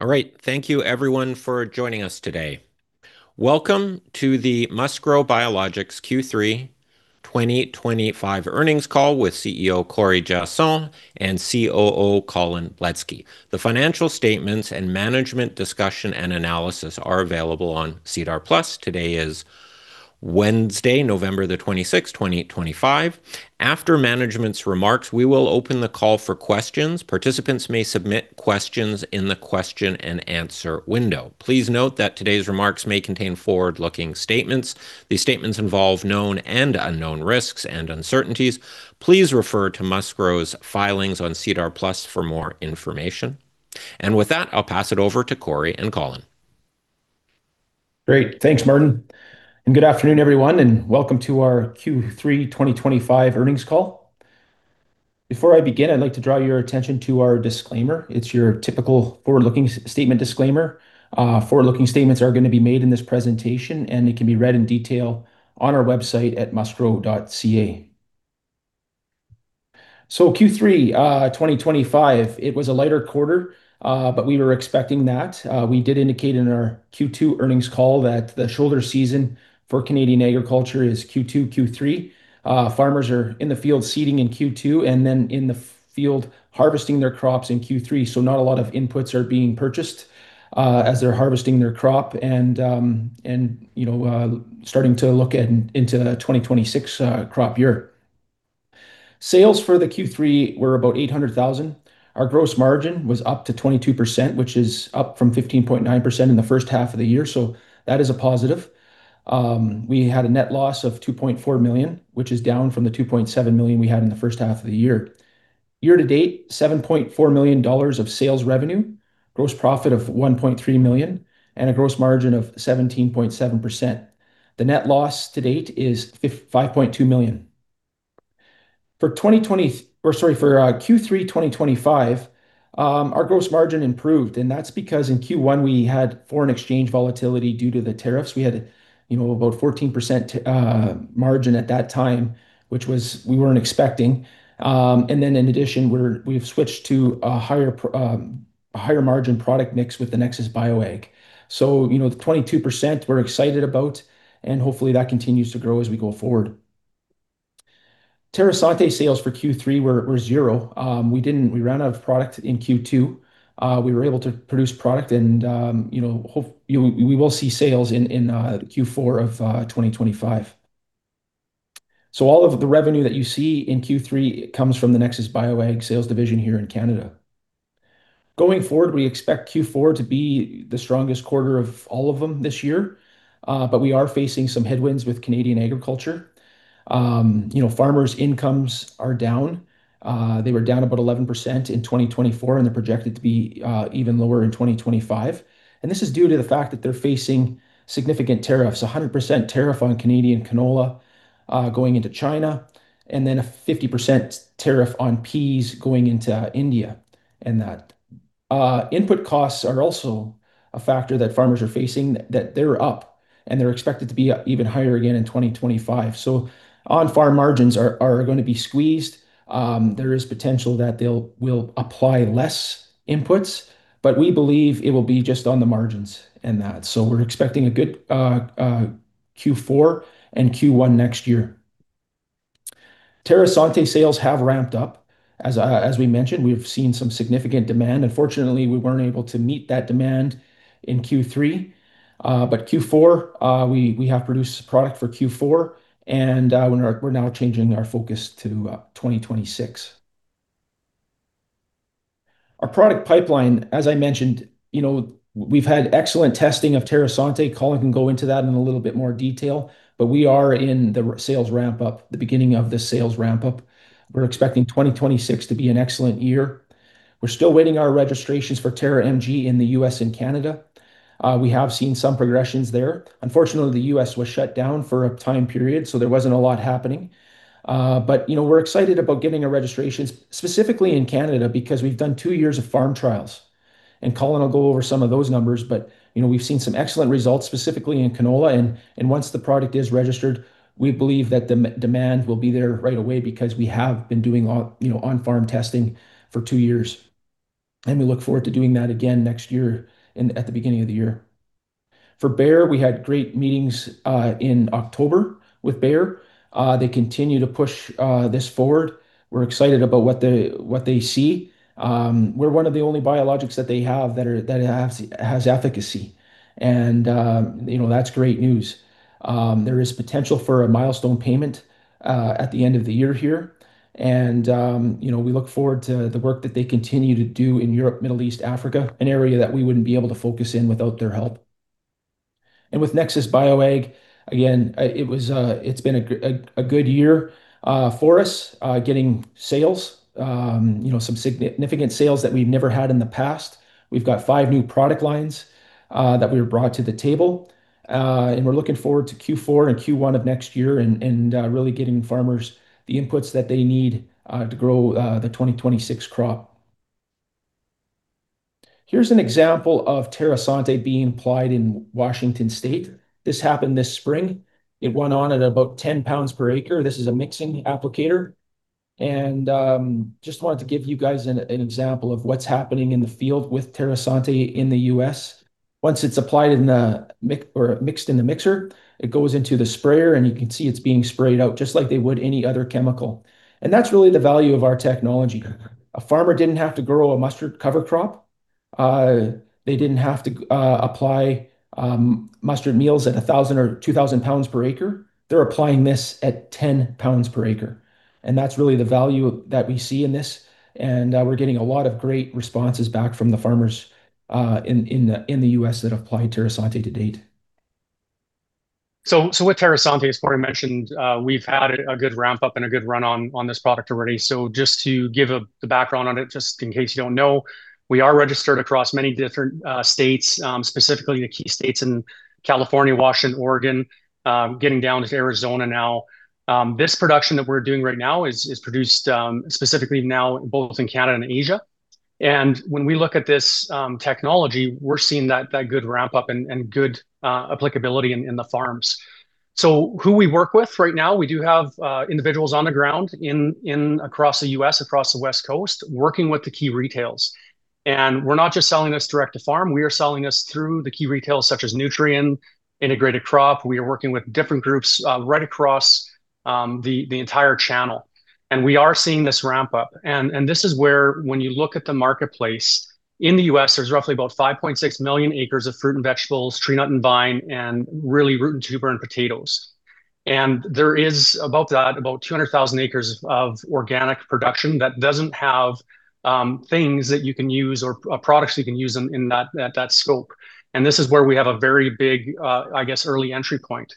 All right. Thank you, everyone, for joining us today. Welcome to the MustGrow Biologics Q3 2025 earnings call with CEO Corey Giasson and COO Colin Bletsky. The financial statements and management discussion and analysis are available on SEDAR+. Today is Wednesday, November the 26th, 2025. After management's remarks, we will open the call for questions. Participants may submit questions in the question and answer window. Please note that today's remarks may contain forward-looking statements. These statements involve known and unknown risks and uncertainties. Please refer to MustGrow's filings on SEDAR+ for more information. With that, I'll pass it over to Corey and Colin. Great. Thanks, Martin. Good afternoon, everyone, and welcome to our Q3 2025 earnings call. Before I begin, I'd like to draw your attention to our disclaimer. It's your typical forward-looking statement disclaimer. Forward-looking statements are going to be made in this presentation, and they can be read in detail on our website at mustgrow.ca. Q3 2025 was a lighter quarter, but we were expecting that. We did indicate in our Q2 earnings call that the shoulder season for Canadian agriculture is Q2, Q3. Farmers are in the field seeding in Q2 and then in the field harvesting their crops in Q3. Not a lot of inputs are being purchased as they're harvesting their crop and, you know, starting to look into a 2026 crop year. Sales for Q3 were about 800,000. Our gross margin was up to 22%, which is up from 15.9% in the first half of the year. That is a positive. We had a net loss of 2.4 million, which is down from the 2.7 million we had in the first half of the year. Year to date, 7.4 million dollars of sales revenue, gross profit of 1.3 million, and a gross margin of 17.7%. The net loss to date is 5.2 million. For 2020, or sorry, for Q3 2025, our gross margin improved, and that's because in Q1 we had foreign exchange volatility due to the tariffs. We had, you know, about 14% margin at that time, which was, we weren't expecting. In addition, we've switched to a higher margin product mix with the NexusBioAg. You know, the 22% we're excited about, and hopefully that continues to grow as we go forward. TerraSate sales for Q3 were zero. We didn't, we ran out of product in Q2. We were able to produce product and, you know, we will see sales in Q4 of 2025. All of the revenue that you see in Q3 comes from the NexusBioAg sales division here in Canada. Going forward, we expect Q4 to be the strongest quarter of all of them this year, but we are facing some headwinds with Canadian agriculture. You know, farmers' incomes are down. They were down about 11% in 2024, and they're projected to be even lower in 2025. This is due to the fact that they're facing significant tariffs: 100% tariff on Canadian canola going into China, and then a 50% tariff on peas going into India. Input costs are also a factor that farmers are facing, that they're up, and they're expected to be even higher again in 2025. On-farm margins are going to be squeezed. There is potential that they will apply less inputs, but we believe it will be just on the margins and that. We're expecting a good Q4 and Q1 next year. TerraSate sales have ramped up. As we mentioned, we've seen some significant demand. Unfortunately, we weren't able to meet that demand in Q3, but Q4, we have produced product for Q4, and we're now changing our focus to 2026. Our product pipeline, as I mentioned, you know, we've had excellent testing of TerraSate. Colin can go into that in a little bit more detail, but we are in the sales ramp-up, the beginning of the sales ramp-up. We're expecting 2026 to be an excellent year. We're still waiting on our registrations for Terra MG in the U.S. and Canada. We have seen some progressions there. Unfortunately, the U.S. was shut down for a time period, so there wasn't a lot happening. You know, we're excited about getting our registrations specifically in Canada because we've done two years of farm trials, and Colin will go over some of those numbers. You know, we've seen some excellent results specifically in canola, and once the product is registered, we believe that the demand will be there right away because we have been doing, you know, on-farm testing for two years. We look forward to doing that again next year and at the beginning of the year. For Bayer, we had great meetings in October with Bayer. They continue to push this forward. We're excited about what they see. We're one of the only biologics that they have that has efficacy. You know, that's great news. There is potential for a milestone payment at the end of the year here. You know, we look forward to the work that they continue to do in Europe, Middle East, Africa, an area that we wouldn't be able to focus in without their help. With NexusBioAg, again, it's been a good year for us getting sales, you know, some significant sales that we've never had in the past. We've got five new product lines that we were brought to the table, and we're looking forward to Q4 and Q1 of next year and really getting farmers the inputs that they need to grow the 2026 crop. Here's an example of TerraSate being applied in Washington State. This happened this spring. It went on at about 10lbs per acre. This is a mixing applicator. I just wanted to give you guys an example of what's happening in the field with TerraSate in the U.S. Once it's applied in the mix or mixed in the mixer, it goes into the sprayer, and you can see it's being sprayed out just like they would any other chemical. That's really the value of our technology. A farmer didn't have to grow a mustard cover crop. They didn't have to apply mustard meals at 1,000lbs or 2,000lbs per acre. They're applying this at 10lbs per acre. That's really the value that we see in this. We're getting a lot of great responses back from the farmers in the U.S. that applied TerraSate to date. With TerraSate, as Corey mentioned, we've had a good ramp-up and a good run on this product already. Just to give the background on it, just in case you don't know, we are registered across many different states, specifically the key states in California, Washington, Oregon, getting down to Arizona now. This production that we're doing right now is produced specifically now both in Canada and Asia. When we look at this technology, we're seeing that good ramp-up and good applicability in the farms. Who we work with right now, we do have individuals on the ground across the U.S., across the West Coast, working with the key retails. We're not just selling this direct to farm. We are selling this through the key retails such as Nutrient, Integrated Crop. We are working with different groups right across the entire channel. We are seeing this ramp-up. This is where, when you look at the marketplace in the U.S., there are roughly about 5.6 million acres of fruit and vegetables, tree nut and vine, and really root and tuber and potatoes. There are about 200,000 acres of organic production that do not have things that you can use or products you can use in that scope. This is where we have a very big, I guess, early entry point.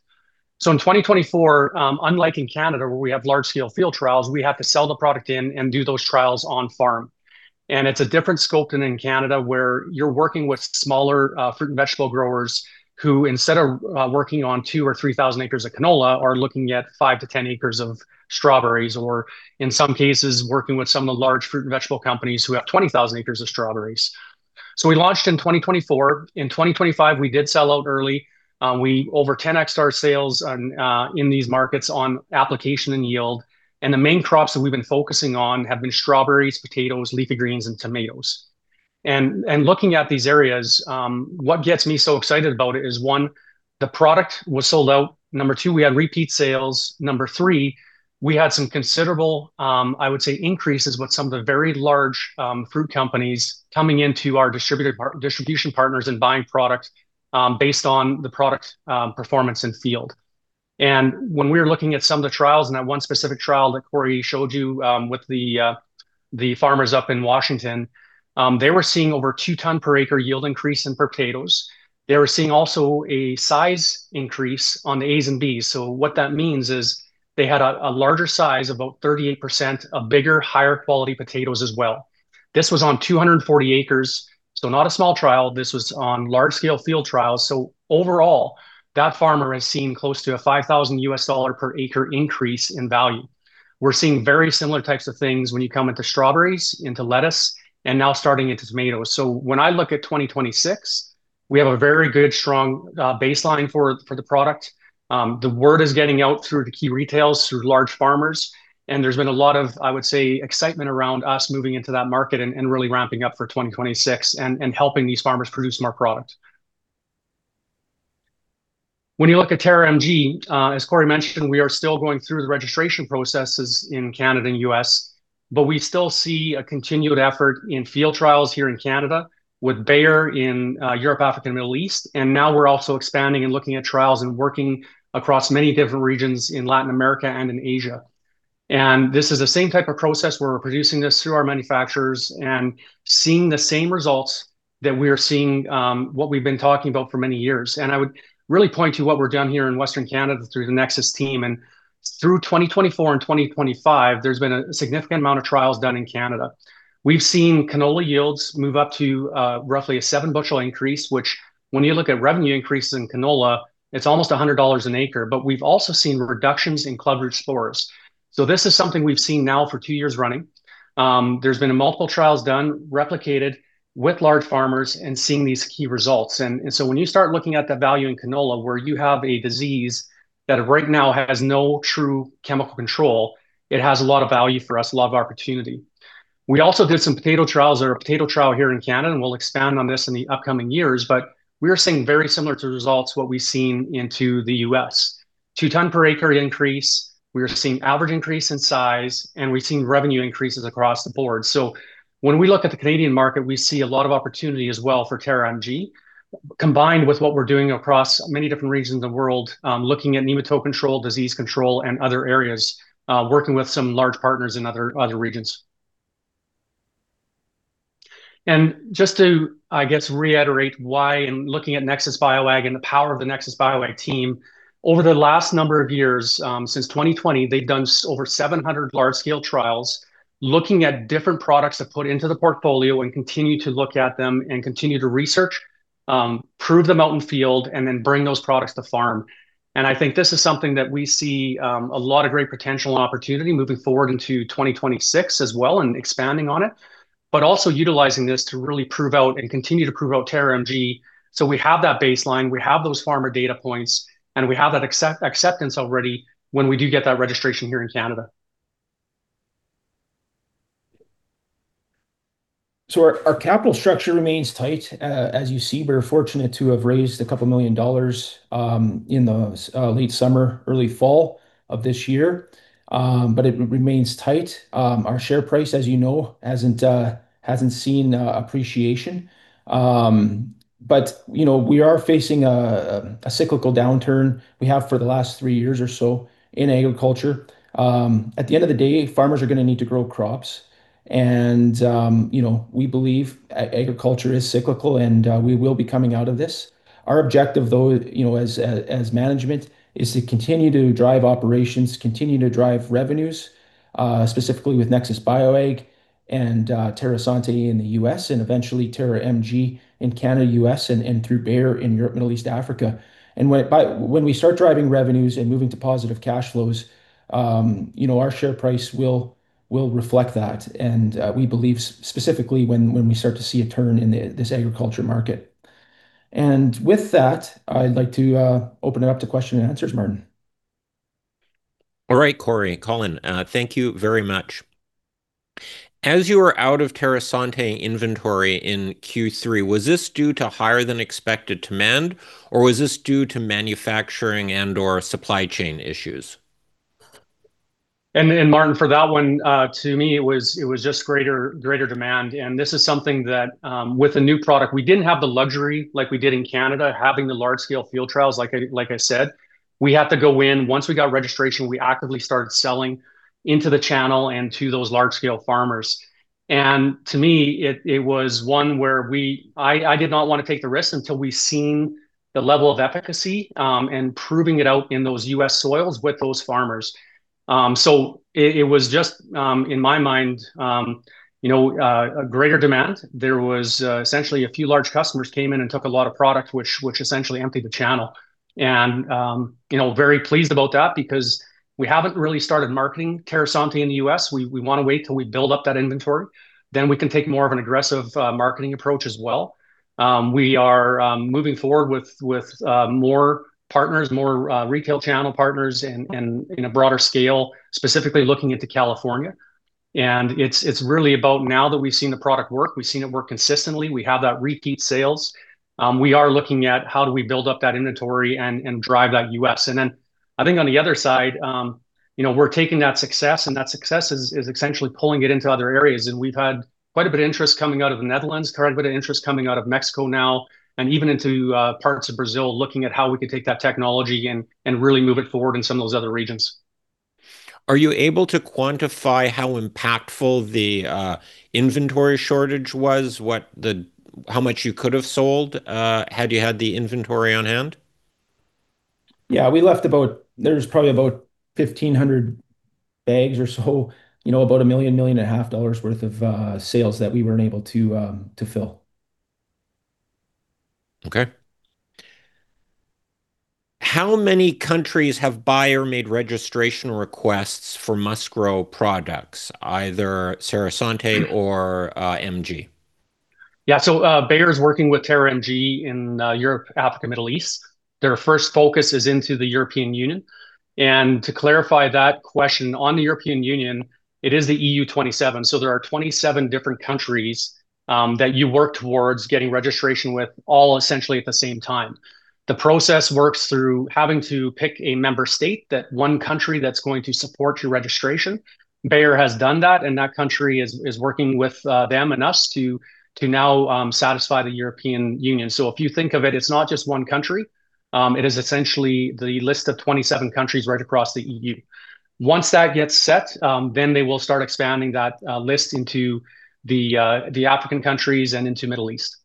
In 2024, unlike in Canada where we have large-scale field trials, we have to sell the product in and do those trials on farm. It's a different scope than in Canada where you're working with smaller fruit and vegetable growers who instead of working on 2,000 or 3,000 acres of canola are looking at five to ten acres of strawberries or in some cases working with some of the large fruit and vegetable companies who have 20,000 acres of strawberries. We launched in 2024. In 2025, we did sell out early. We over 10xed our sales in these markets on application and yield. The main crops that we've been focusing on have been strawberries, potatoes, leafy greens, and tomatoes. Looking at these areas, what gets me so excited about it is, one, the product was sold out. Number two, we had repeat sales. Number three, we had some considerable, I would say, increases with some of the very large fruit companies coming into our distribution partners and buying product based on the product performance in field. When we were looking at some of the trials and that one specific trial that Corey showed you with the farmers up in Washington, they were seeing over a two-ton per acre yield increase in potatoes. They were seeing also a size increase on the A's and B's. What that means is they had a larger size, about 38% bigger, higher quality potatoes as well. This was on 240 acres. Not a small trial. This was on large-scale field trials. Overall, that farmer has seen close to a $5,000 per acre increase in value. We're seeing very similar types of things when you come into strawberries, into lettuce, and now starting into tomatoes. When I look at 2026, we have a very good, strong baseline for the product. The word is getting out through the key retails, through large farmers. There's been a lot of, I would say, excitement around us moving into that market and really ramping up for 2026 and helping these farmers produce more product. When you look at Terra MG, as Corey mentioned, we are still going through the registration processes in Canada and U.S., but we still see a continued effort in field trials here in Canada with Bayer in Europe, Africa, and Middle East. Now we're also expanding and looking at trials and working across many different regions in Latin America and in Asia. This is the same type of process where we're producing this through our manufacturers and seeing the same results that we are seeing, what we've been talking about for many years. I would really point to what we're doing here in Western Canada through the Nexus team. Through 2024 and 2025, there's been a significant amount of trials done in Canada. We've seen canola yields move up to roughly a seven-bushel increase, which when you look at revenue increase in canola, it's almost 100 dollars an acre. We've also seen reductions in clubroot spores. This is something we've seen now for two years running. There have been multiple trials done, replicated with large farmers and seeing these key results. When you start looking at the value in canola where you have a disease that right now has no true chemical control, it has a lot of value for us, a lot of opportunity. We also did some potato trials. There are potato trials here in Canada, and we'll expand on this in the upcoming years, but we are seeing very similar results to what we've seen in the U.S. Two-ton per acre increase. We are seeing average increase in size, and we've seen revenue increases across the board. When we look at the Canadian market, we see a lot of opportunity as well for Terra MG combined with what we're doing across many different regions of the world, looking at nematode control, disease control, and other areas, working with some large partners in other regions. To reiterate why in looking at NexusBioAg and the power of the NexusBioAg team, over the last number of years, since 2020, they've done over 700 large-scale trials looking at different products to put into the portfolio and continue to look at them and continue to research, prove them out in field, and then bring those products to farm. I think this is something that we see a lot of great potential and opportunity moving forward into 2026 as well and expanding on it, but also utilizing this to really prove out and continue to prove out Terra MG. We have that baseline, we have those farmer data points, and we have that acceptance already when we do get that registration here in Canada. Our capital structure remains tight, as you see. We're fortunate to have raised a couple of million dollars in the late summer, early fall of this year, but it remains tight. Our share price, as you know, hasn't seen appreciation. You know, we are facing a cyclical downturn we have for the last three years or so in agriculture. At the end of the day, farmers are going to need to grow crops. You know, we believe agriculture is cyclical, and we will be coming out of this. Our objective, though, you know, as management, is to continue to drive operations, continue to drive revenues, specifically with NexusBioAg and TerraSate in the U.S. and eventually Terra MG in Canada, U.S., and through Bayer in Middle East, Africa. When we start driving revenues and moving to positive cash flows, you know, our share price will reflect that. We believe specifically when we start to see a turn in this agriculture market. With that, I'd like to open it up to question and answers, Martin. All right, Corey and Colin, thank you very much. As you were out of TerraSate inventory in Q3, was this due to higher than expected demand, or was this due to manufacturing and/or supply chain issues? Martin, for that one, to me, it was just greater demand. This is something that with a new product, we did not have the luxury like we did in Canada having the large-scale field trials. Like I said, we had to go in. Once we got registration, we actively started selling into the channel and to those large-scale farmers. To me, it was one where I did not want to take the risk until we have seen the level of efficacy and proving it out in those U.S. soils with those farmers. It was just, in my mind, you know, greater demand. There was essentially a few large customers came in and took a lot of product, which essentially emptied the channel. You know, very pleased about that because we have not really started marketing TerraSate in the U.S. We want to wait till we build up that inventory. Then we can take more of an aggressive marketing approach as well. We are moving forward with more partners, more retail channel partners, and in a broader scale, specifically looking into California. It is really about now that we've seen the product work, we've seen it work consistently. We have that repeat sales. We are looking at how do we build up that inventory and drive that U.S. I think on the other side, you know, we're taking that success, and that success is essentially pulling it into other areas. We've had quite a bit of interest coming out of the Netherlands, quite a bit of interest coming out of Mexico now, and even into parts of Brazil, looking at how we could take that technology and really move it forward in some of those other regions. Are you able to quantify how impactful the inventory shortage was, how much you could have sold had you had the inventory on hand? Yeah, we left about, there's probably about 1,500 bags or so, you know, about 1 million-1.5 million worth of sales that we weren't able to fill. Okay. How many countries have Bayer-made registration requests for MustGrow products, either TerraSate or MG? Yeah, so Bayer is working with Terra MG in Europe, Africa, Middle East. Their first focus is into the European Union. To clarify that question, on the European Union, it is the EU27. There are 27 different countries that you work towards getting registration with, all essentially at the same time. The process works through having to pick a member state, that one country that's going to support your registration. Bayer has done that, and that country is working with them and us to now satisfy the European Union. If you think of it, it's not just one country. It is essentially the list of 27 countries right across the EU. Once that gets set, they will start expanding that list into the African countries and into Middle East.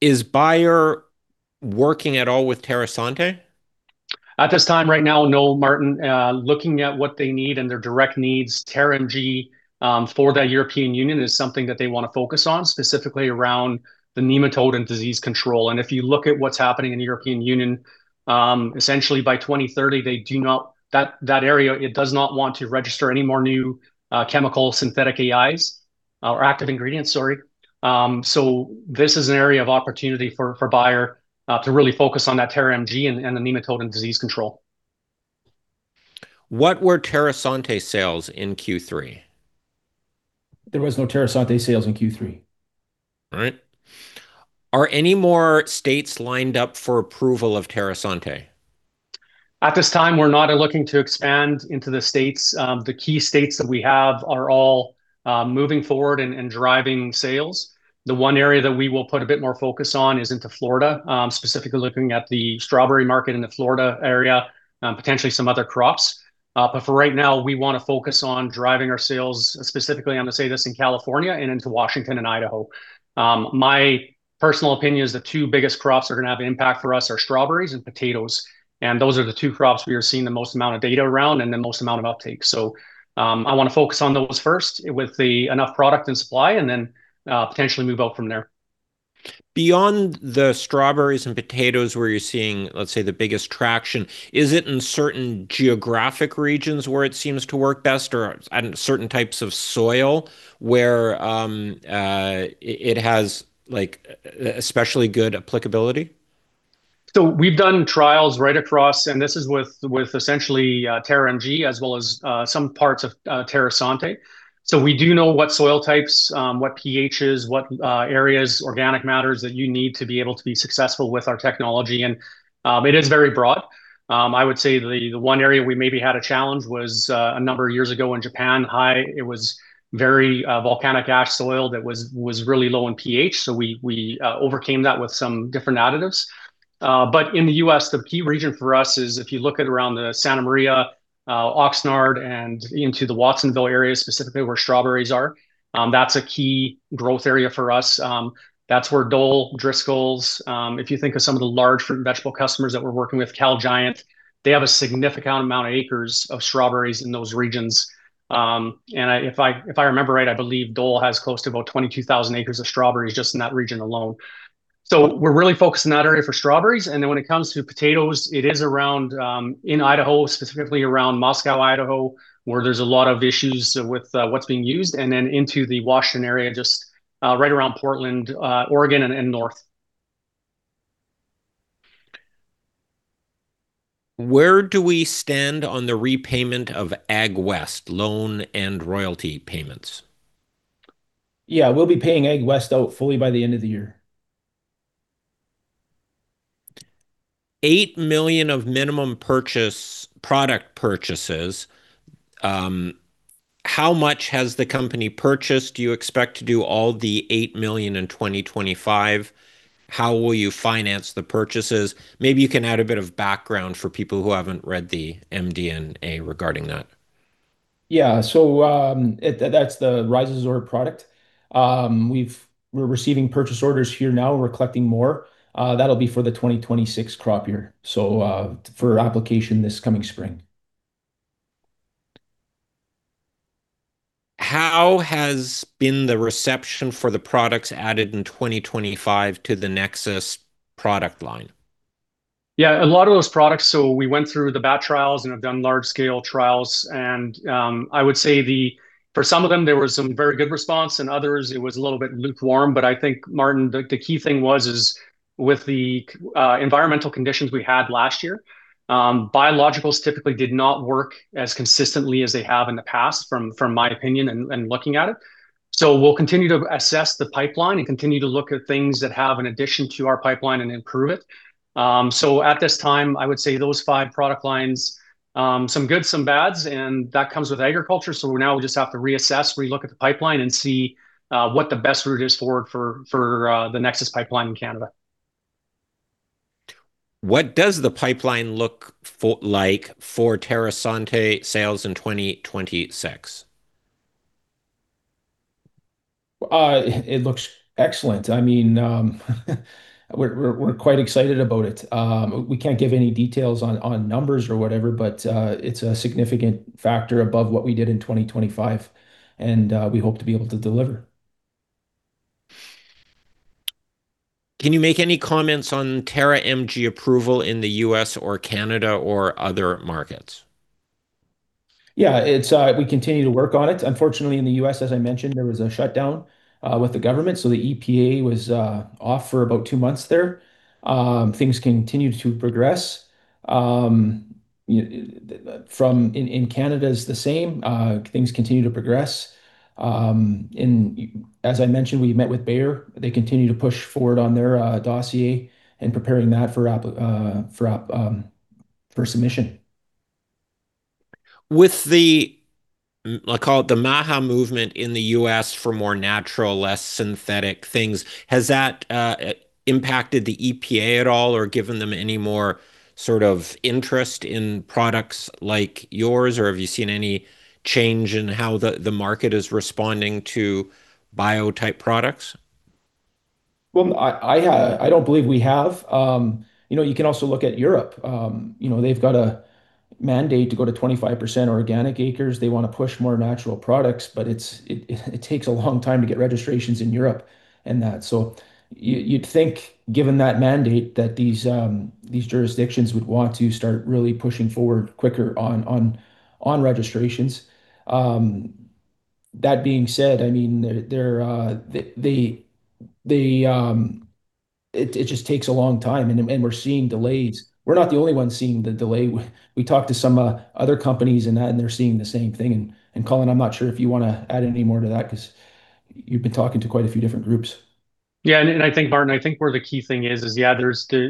Is Bayer working at all with TerraSate? At this time, right now, no, Martin. Looking at what they need and their direct needs, Terra MG for the European Union is something that they want to focus on, specifically around the nematode and disease control. If you look at what is happening in the European Union, essentially by 2030, that area does not want to register any more new chemical synthetic AIs or active ingredients, sorry. This is an area of opportunity for Bayer to really focus on that Terra MG and the nematode and disease control. What were TerraSate sales in Q3? There was no TerraSate sales in Q3. All right. Are any more states lined up for approval of TerraSate? At this time, we're not looking to expand into the states. The key states that we have are all moving forward and driving sales. The one area that we will put a bit more focus on is into Florida, specifically looking at the strawberry market in the Florida area, potentially some other crops. For right now, we want to focus on driving our sales, specifically, I'm going to say this in California and into Washington and Idaho. My personal opinion is the two biggest crops that are going to have impact for us are strawberries and potatoes. Those are the two crops we are seeing the most amount of data around and the most amount of uptake. I want to focus on those first with enough product and supply and then potentially move out from there. Beyond the strawberries and potatoes where you're seeing, let's say, the biggest traction, is it in certain geographic regions where it seems to work best or certain types of soil where it has especially good applicability? We have done trials right across, and this is with essentially Terra MG as well as some parts of TerraSate. We do know what soil types, what PHS, what areas, organic matters that you need to be able to be successful with our technology. It is very broad. I would say the one area we maybe had a challenge was a number of years ago in Japan, high, it was very volcanic ash soil that was really low in pH. We overcame that with some different additives. In the U.S., the key region for us is if you look at around the Santa Maria, Oxnard, and into the Watsonville area, specifically where strawberries are, that is a key growth area for us. That's where Dole, Driscolls, if you think of some of the large fruit and vegetable customers that we're working with, Cal Giant, they have a significant amount of acres of strawberries in those regions. If I remember right, I believe Dole has close to about 22,000 acres of strawberries just in that region alone. We are really focused in that area for strawberries. When it comes to potatoes, it is around in Idaho, specifically around Moscow, Idaho, where there's a lot of issues with what's being used. Into the Washington area, just right around Portland, Oregon, and north. Where do we stand on the repayment of Ag-West loan and royalty payments? Yeah, we'll be paying Ag-West out fully by the end of the year. 8 million of minimum product purchases. How much has the company purchased? Do you expect to do all the 8 million in 2025? How will you finance the purchases? Maybe you can add a bit of background for people who have not read the MD&A regarding that. Yeah, so that's the Rise Resort product. We're receiving purchase orders here now. We're collecting more. That'll be for the 2026 crop year, so for application this coming spring. How has been the reception for the products added in 2025 to the NexuBioAg product line? Yeah, a lot of those products, so we went through the batch trials and have done large-scale trials. I would say for some of them, there was some very good response. In others, it was a little bit lukewarm. I think, Martin, the key thing was with the environmental conditions we had last year, biologicals typically did not work as consistently as they have in the past, from my opinion and looking at it. We'll continue to assess the pipeline and continue to look at things that have an addition to our pipeline and improve it. At this time, I would say those five product lines, some goods, some bads, and that comes with agriculture. We just have to reassess, relook at the pipeline and see what the best route is forward for the Nexus pipeline in Canada. What does the pipeline look like for TerraSate sales in 2026? It looks excellent. I mean, we're quite excited about it. We can't give any details on numbers or whatever, but it's a significant factor above what we did in 2025, and we hope to be able to deliver. Can you make any comments on Terra MG approval in the U.S. or Canada or other markets? Yeah, we continue to work on it. Unfortunately, in the U.S., as I mentioned, there was a shutdown with the government. The EPA was off for about two months there. Things continued to progress. In Canada, it's the same. Things continue to progress. As I mentioned, we met with Bayer. They continue to push forward on their dossier and preparing that for submission. With the, I'll call it the Maha movement in the U.S. for more natural, less synthetic things, has that impacted the EPA at all or given them any more sort of interest in products like yours? Or have you seen any change in how the market is responding to bio-type products? I don't believe we have. You can also look at Europe. They've got a mandate to go to 25% organic acres. They want to push more natural products, but it takes a long time to get registrations in Europe and that. You'd think, given that mandate, that these jurisdictions would want to start really pushing forward quicker on registrations. That being said, I mean, it just takes a long time, and we're seeing delays. We're not the only ones seeing the delay. We talked to some other companies in that, and they're seeing the same thing. Colin, I'm not sure if you want to add any more to that because you've been talking to quite a few different groups. Yeah, and I think, Martin, I think where the key thing is, is yeah,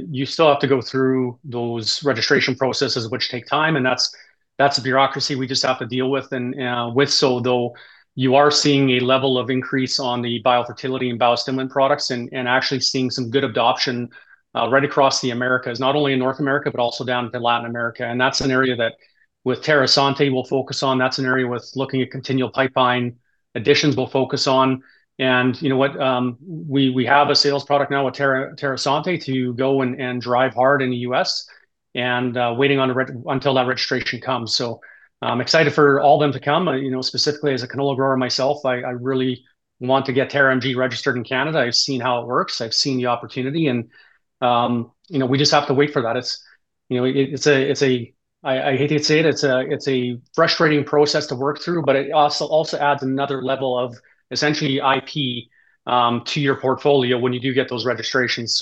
you still have to go through those registration processes, which take time, and that's bureaucracy we just have to deal with. With Soldo, you are seeing a level of increase on the biofertility and bio-stimulant products and actually seeing some good adoption right across the Americas, not only in North America, but also down to Latin America. That's an area that with TerraSate we'll focus on. That's an area with looking at continual pipeline additions we'll focus on. You know what? We have a sales product now with TerraSate to go and drive hard in the U.S. and waiting until that registration comes. I'm excited for all of them to come. Specifically, as a canola grower myself, I really want to get Terra MG registered in Canada. I've seen how it works. I've seen the opportunity. We just have to wait for that. I hate to say it, it's a frustrating process to work through, but it also adds another level of essentially IP to your portfolio when you do get those registrations.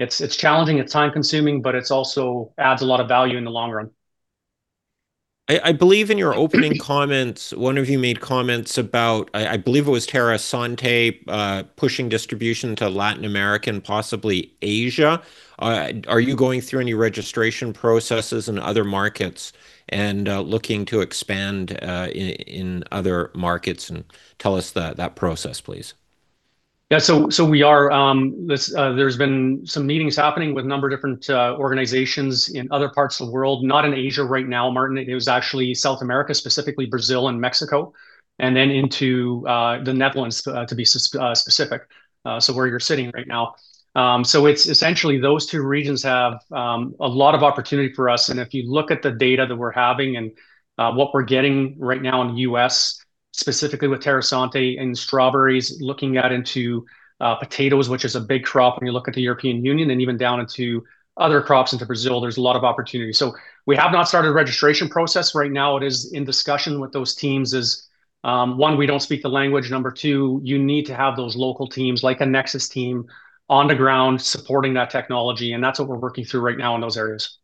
It's challenging. It's time-consuming, but it also adds a lot of value in the long run. I believe in your opening comments, one of you made comments about, I believe it was TerraSate pushing distribution to Latin America, possibly Asia. Are you going through any registration processes in other markets and looking to expand in other markets? Tell us that process, please. Yeah, so there's been some meetings happening with a number of different organizations in other parts of the world, not in Asia right now, Martin. It was actually South America, specifically Brazil and Mexico, and then into the Netherlands, to be specific, so where you're sitting right now. Essentially, those two regions have a lot of opportunity for us. If you look at the data that we're having and what we're getting right now in the US, specifically with TerraSate in strawberries, looking out into potatoes, which is a big crop when you look at the European Union, and even down into other crops into Brazil, there's a lot of opportunity. We have not started a registration process right now. It is in discussion with those teams as, one, we don't speak the language. Number two, you need to have those local teams like a NexusBioAg team on the ground supporting that technology. And that's what we're working through right now in those areas.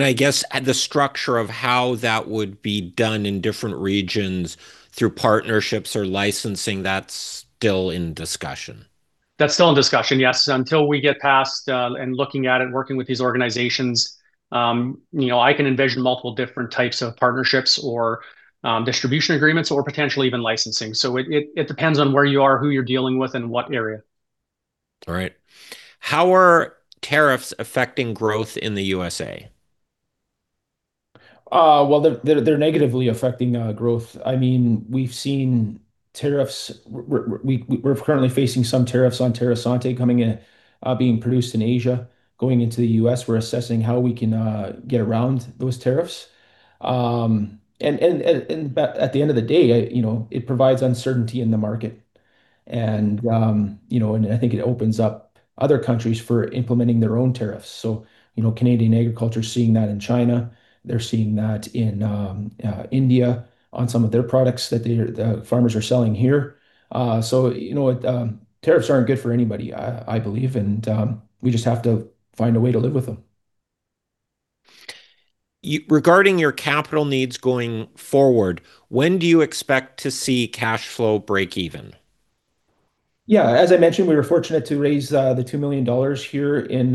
I guess the structure of how that would be done in different regions through partnerships or licensing, that's still in discussion. That's still in discussion, yes. Until we get past and looking at it, working with these organizations, I can envision multiple different types of partnerships or distribution agreements or potentially even licensing. It depends on where you are, who you're dealing with, and what area. All right. How are tariffs affecting growth in the U.S.A? They're negatively affecting growth. I mean, we've seen tariffs. We're currently facing some tariffs on TerraSate coming in, being produced in Asia, going into the US. We're assessing how we can get around those tariffs. At the end of the day, it provides uncertainty in the market. I think it opens up other countries for implementing their own tariffs. Canadian agriculture is seeing that in China. They're seeing that in India on some of their products that the farmers are selling here. Tariffs aren't good for anybody, I believe. We just have to find a way to live with them. Regarding your capital needs going forward, when do you expect to see cash flow break even? Yeah, as I mentioned, we were fortunate to raise the 2 million dollars here in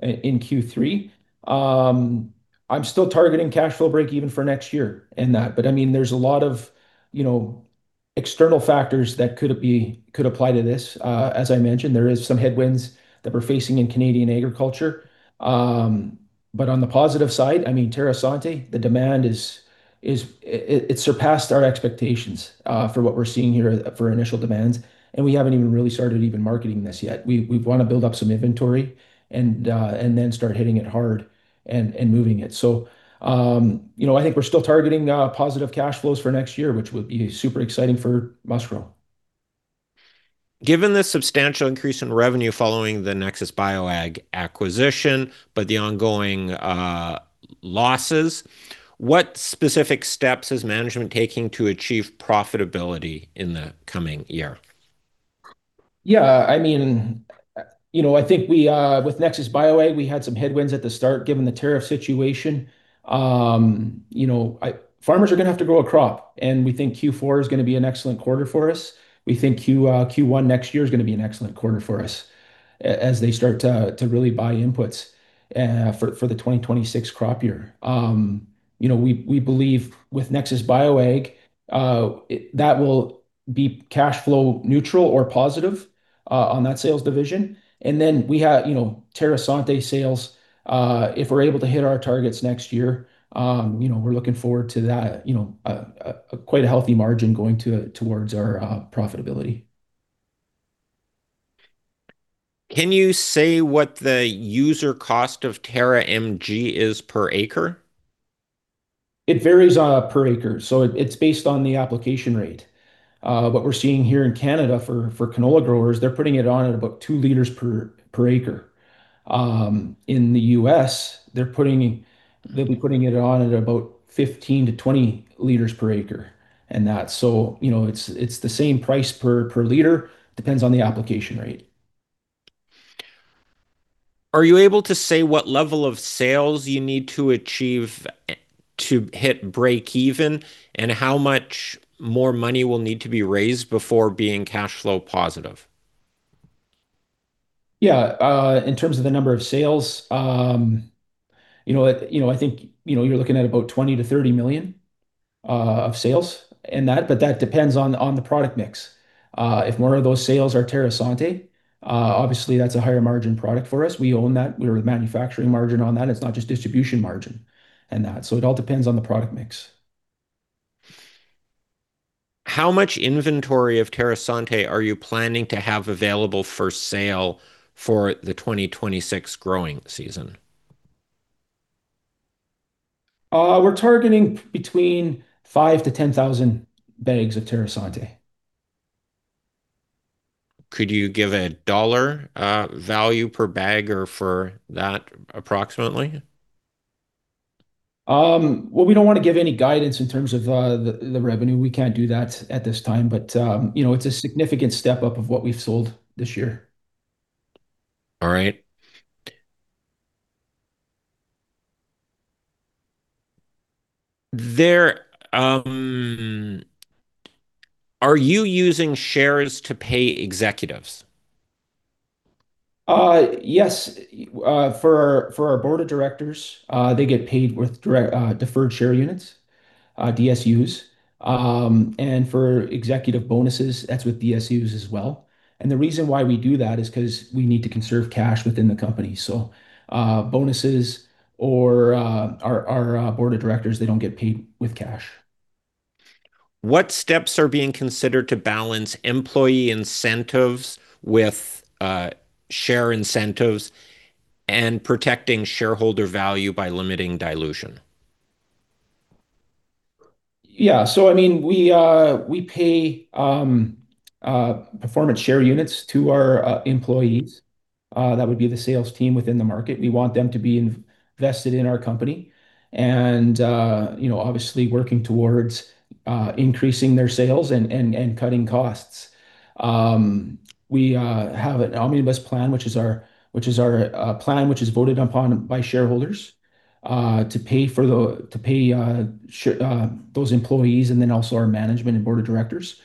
Q3. I'm still targeting cash flow break even for next year in that. I mean, there's a lot of external factors that could apply to this. As I mentioned, there are some headwinds that we're facing in Canadian agriculture. On the positive side, I mean, TerraSate, the demand, it surpassed our expectations for what we're seeing here for initial demands. We haven't even really started even marketing this yet. We want to build up some inventory and then start hitting it hard and moving it. I think we're still targeting positive cash flows for next year, which would be super exciting for MustGrow. Given the substantial increase in revenue following the NexusBioAg acquisition, but the ongoing losses, what specific steps is management taking to achieve profitability in the coming year? Yeah, I mean, I think with NexusBioAg, we had some headwinds at the start given the tariff situation. Farmers are going to have to grow a crop. We think Q4 is going to be an excellent quarter for us. We think Q1 next year is going to be an excellent quarter for us as they start to really buy inputs for the 2026 crop year. We believe with NexusBioAg, that will be cash flow neutral or positive on that sales division. Then we have TerraSate sales. If we're able to hit our targets next year, we're looking forward to quite a healthy margin going towards our profitability. Can you say what the user cost of Terra MG is per acre? It varies per acre. It is based on the application rate. What we are seeing here in Canada for canola growers, they are putting it on at about 2L per acre. In the U.S., they will be putting it on at about 15L-20L per acre and that. It is the same price per liter. It depends on the application rate. Are you able to say what level of sales you need to achieve to hit break even and how much more money will need to be raised before being cash flow positive? Yeah, in terms of the number of sales, I think you're looking at about 20 million-30 million of sales and that. But that depends on the product mix. If more of those sales are TerraSate, obviously, that's a higher margin product for us. We own that. We're manufacturing margin on that. It's not just distribution margin and that. So it all depends on the product mix. How much inventory of TerraSate are you planning to have available for sale for the 2026 growing season? We're targeting between 5,000 and 10,000 bags of TerraSate. Could you give a dollar value per bag or for that approximately? We do not want to give any guidance in terms of the revenue. We cannot do that at this time. It is a significant step up of what we have sold this year. All right. Are you using shares to pay executives? Yes. For our board of directors, they get paid with deferred share units, DSUs. For executive bonuses, that's with DSUs as well. The reason why we do that is because we need to conserve cash within the company. Bonuses or our board of directors, they do not get paid with cash. What steps are being considered to balance employee incentives with share incentives and protecting shareholder value by limiting dilution? Yeah. I mean, we pay performance share units to our employees. That would be the sales team within the market. We want them to be invested in our company and obviously working towards increasing their sales and cutting costs. We have an omnibus plan, which is our plan, which is voted upon by shareholders to pay those employees and then also our management and board of directors.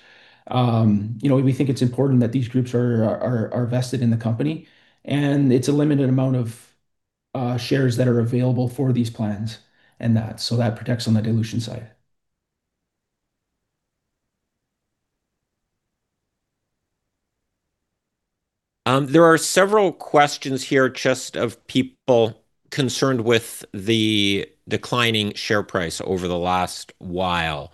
We think it's important that these groups are vested in the company. It's a limited amount of shares that are available for these plans and that. That protects on the dilution side. There are several questions here just of people concerned with the declining share price over the last while.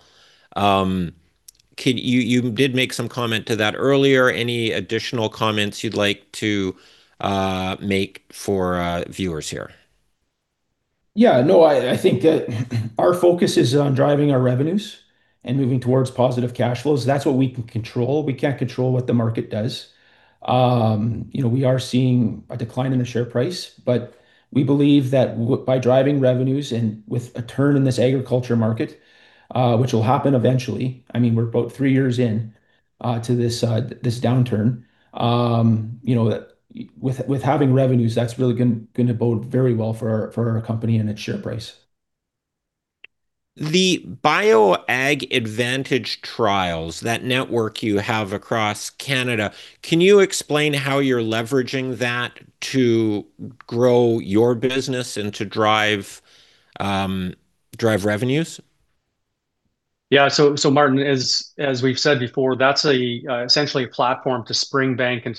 You did make some comment to that earlier. Any additional comments you'd like to make for viewers here? Yeah. No, I think our focus is on driving our revenues and moving towards positive cash flows. That's what we can control. We can't control what the market does. We are seeing a decline in the share price, but we believe that by driving revenues and with a turn in this agriculture market, which will happen eventually, I mean, we are about three years into this downturn, with having revenues, that's really going to bode very well for our company and its share price. The BioAg Advantage trials, that network you have across Canada, can you explain how you're leveraging that to grow your business and to drive revenues? Yeah. Martin, as we've said before, that's essentially a platform to Spring Bank and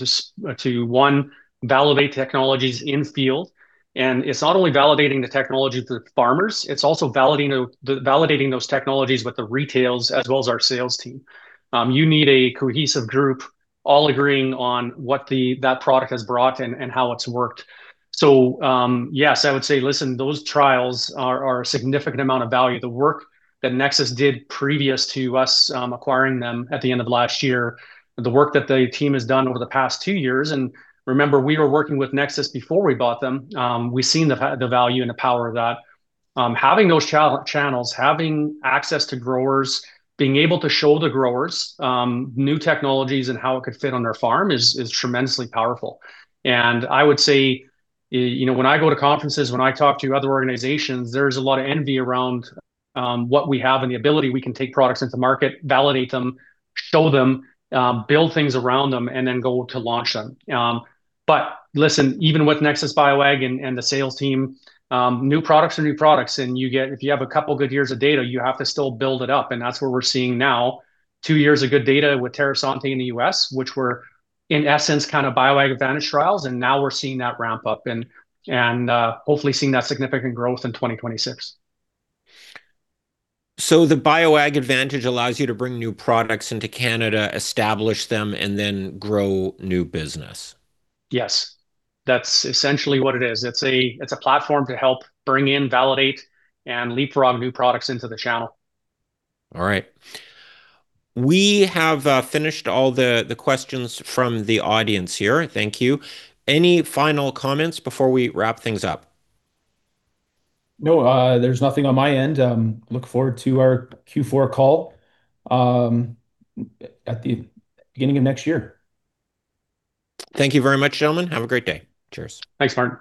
to, one, validate technologies in field. It's not only validating the technology for the farmers, it's also validating those technologies with the retails as well as our sales team. You need a cohesive group all agreeing on what that product has brought and how it's worked. Yes, I would say, listen, those trials are a significant amount of value. The work that Nexus did previous to us acquiring them at the end of last year, the work that the team has done over the past two years, and remember, we were working with Nexus before we bought them, we've seen the value and the power of that. Having those channels, having access to growers, being able to show the growers new technologies and how it could fit on their farm is tremendously powerful. I would say when I go to conferences, when I talk to other organizations, there's a lot of envy around what we have and the ability we can take products into market, validate them, show them, build things around them, and then go to launch them. Listen, even with NexusBioAg and the sales team, new products are new products. If you have a couple of good years of data, you have to still build it up. That's what we're seeing now, two years of good data with TerraSate in the U.S., which were, in essence, kind of BioAg Advantage trials. Now we're seeing that ramp up and hopefully seeing that significant growth in 2026. The BioAg Advantage allows you to bring new products into Canada, establish them, and then grow new business. Yes. That's essentially what it is. It's a platform to help bring in, validate, and leapfrog new products into the channel. All right. We have finished all the questions from the audience here. Thank you. Any final comments before we wrap things up? No, there's nothing on my end. Look forward to our Q4 call at the beginning of next year. Thank you very much, gentlemen. Have a great day. Cheers. Thanks, Martin.